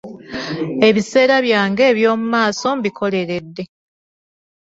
Ebiseera byange eby'omu maaso mbikoleredde.